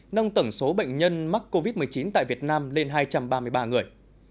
nâng tổng số bệnh nhân mắc covid một mươi chín tại việt nam lên hai trăm ba mươi ba người